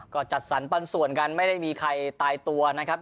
ก็จัดสรรปันส่วนกันไม่ได้มีใครตายตัวนะครับ